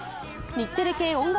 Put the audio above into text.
日テレ系音楽